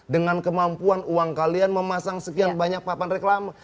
dengan kemampuan uang kalian memasang sekian banyak papan reklama